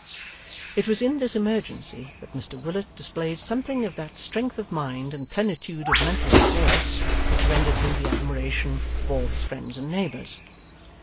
It was in this emergency that Mr Willet displayed something of that strength of mind and plenitude of mental resource, which rendered him the admiration of all his friends and neighbours.